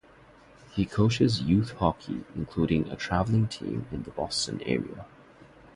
He coaches youth hockey including a traveling team in the Boston area.